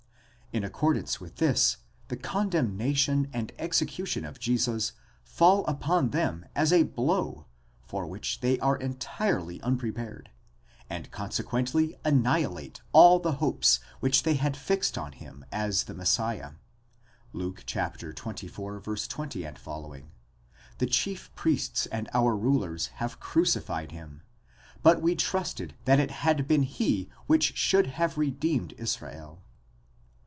In accordance with this, the condemnation and execution of Jesus fall upon them as a blow for which they are entirely unprepared, and consequently annihilate all the hopes which they had fixed on him as the Messiah (Luke xxiv. 20 f., Zhe chief priests and our rulers have crucified him. But we trusted that it had been he which should have redeemed Israel).